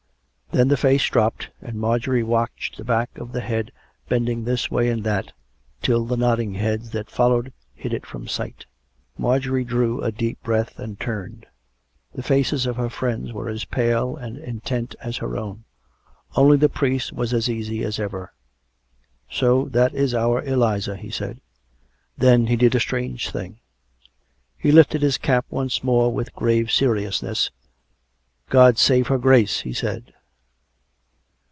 ... Then the face dropped; and Marjorie watched the back of the head bending this way and that, till the nodding heads that fol lowed hid it from sight. Marjorie drew a deep breath and turned. The faces of her friends were as pale and intent as her own. Only the priest was as easy as ever. " So that is our Eliza," he said. Then he did a strange thing. He lifted his cap once more with grave seriousness. " God save her Grace !" he said.